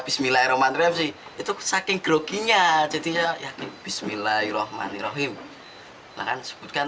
bismillahirrohmanirrohim sih itu saking groginya jadinya bismillahirohmanirohim lakukan sebutkan